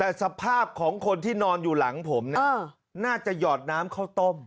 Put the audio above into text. แต่สภาพของคนที่นอนอยู่หลังผมเนี่ยน่าจะหยอดน้ำข้าวต้ม